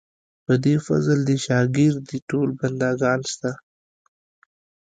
په دې فضل دې شاګر دي ټول بندګان ستا.